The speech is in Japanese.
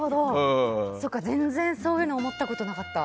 全然そういうの思ったことなかった。